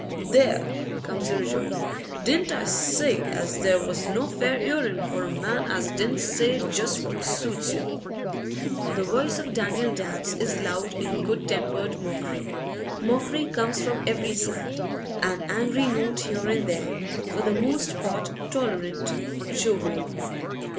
'There!' comes the rejoinder. 'Didn't I say as there was no fair 'earing for a man as didn't say just what suits you?' The voice of Daniel Dabbs is loud in good tempered mockery. Mockery comes from every side, an angry note here and there, for the most part tolerant, jovial.